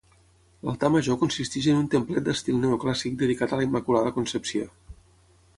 L'altar major consisteix en un templet d'estil neoclàssic dedicat a la Immaculada Concepció.